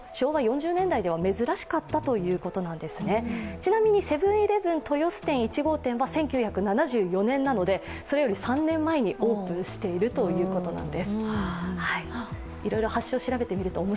ちなみに、セブン−イレブン豊洲店、１号店は１９７４年なのでそれより３年前にオープンしているということなんです。